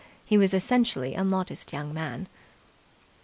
He was essentially a modest young man.